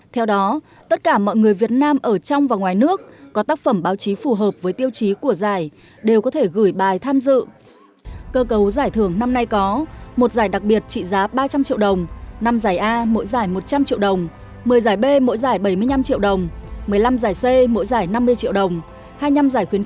theo đó tất cả mọi người việt nam ở trong và ngoài nước có tác phẩm báo chí phù hợp với tiêu chí của giải đều có thể gửi bài tham dự